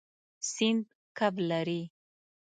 سیند کب لري.